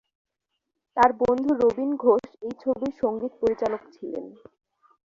তার বন্ধু রবীন ঘোষ এই ছবির সঙ্গীত পরিচালক ছিলেন।